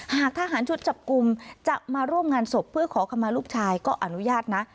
หากทหารชุดจับกลุ่มจะมาร่วมงานศพเพื่อขอคำมาลูกชายก็อนุญาตนะ